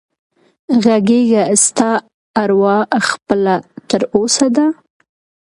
غږېږه ستا اروا خپله تر اوسه ده